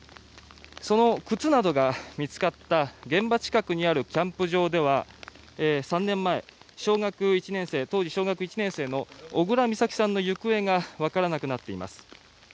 その靴などが見つかった現場近くにあるキャンプ場では３年前、当時小学１年生の小倉美咲さんの行方が分からなくなっています。